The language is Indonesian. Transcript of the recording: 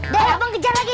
dah bang kejar lagi